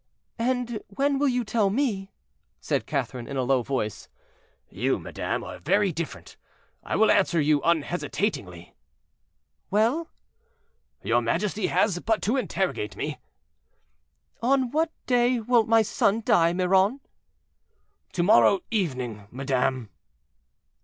"And when will you tell me?" said Catherine, in a low voice. "You, madame, are very different; I answer you unhesitatingly."—"Well?" "Your majesty has but to interrogate me." "On what day will my son die, Miron?" "To morrow evening, madame."